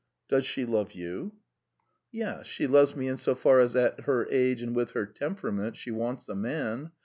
"Does she love you?" "Yes, she loves me in so far as at her age and with her temperament she wants a man.